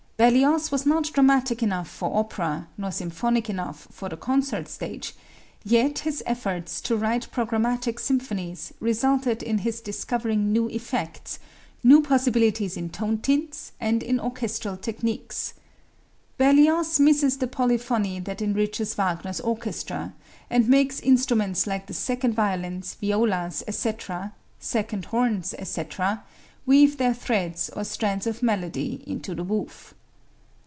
Berlioz was not dramatic enough for opera nor symphonic enough for the concert stage, yet his efforts to write programmatic symphonies resulted in his discovering new effects, new possibilities in tone tints and in orchestral technics. Berlioz misses the polyphony that enriches Wagner's orchestra, and makes instruments like the second violins, violas, etc., second horns, etc., weave their threads or strands of melody into the woof.